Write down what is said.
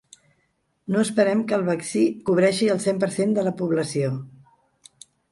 No esperem que el vaccí cobreixi el cent per cent de la població.